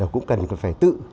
cũng cần phải tự